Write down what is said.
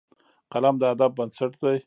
قلم د ادب بنسټ دی